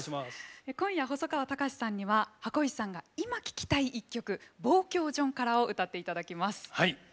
今夜細川たかしさんには箱石さんが今聴きたい一曲「望郷じょんから」を歌っていただきます。